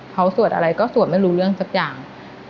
เขาสวดอะไรก็สวดไม่รู้เรื่องสักอย่าง